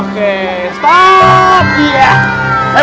kita bawa dia